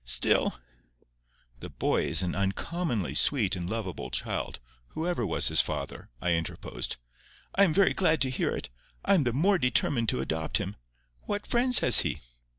Still——" "The boy is an uncommonly sweet and lovable child, whoever was his father," I interposed. "I am very glad to hear it. I am the more determined to adopt him. What friends has he?"